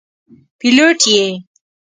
پیلوټ یې.